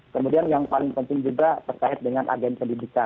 kemudian yang paling penting juga terkait dengan agen pendidikan